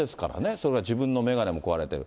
それに自分の眼鏡も壊れてる。